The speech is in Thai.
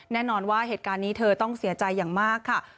แน่นอนว่าเหตุการณ์นี้เธอต้องเสียใจอย่างมากค่ะ